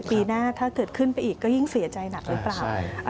ปีหน้าถ้าเกิดขึ้นไปอีกก็ยิ่งเสียใจหนักหรือเปล่า